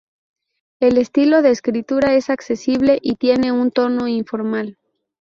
El estilo de escritura es accesible y tiene un tono informal.